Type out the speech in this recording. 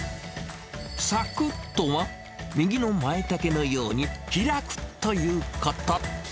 咲くとは、右のマイタケのように、開くということ。